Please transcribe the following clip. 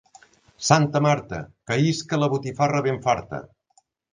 Santa Marta, que isca la botifarra ben farta.